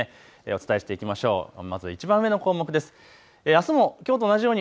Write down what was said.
お伝えしていきましょう。